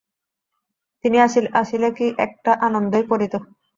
তিনি আসিলে কি একটা আনন্দই পড়িত!